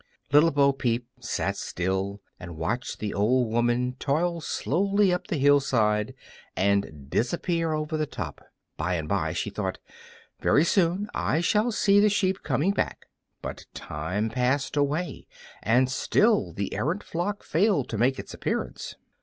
Little Bo Peep sat still and watched the old woman toil slowly up the hill side and disappear over the top. By and by she thought, "very soon I shall see the sheep coming back;" but time passed away and still the errant flock failed to make its appearance.